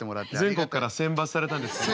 全国から選抜されたんですよね。